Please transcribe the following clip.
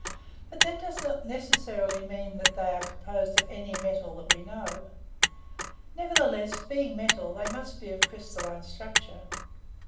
"But that does not necessarily mean that they are composed of any metal that we know. Nevertheless, being metal, they must be of crystalline structure.